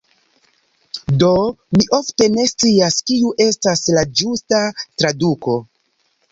Do mi ofte ne scias, kiu estas la ĝusta traduko.